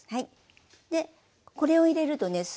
これを入れるとね